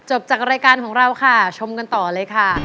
จากรายการของเราค่ะชมกันต่อเลยค่ะ